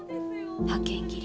派遣切り。